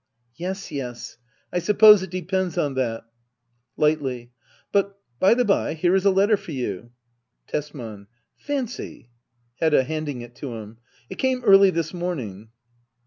Yes, yes — I suppose it depends on that— — [Ugktfy^ But, by the bye — here is a letter for you. Tesman. Fancy ! Hedda. [Handing Ujto himJ] It came early this morn ing.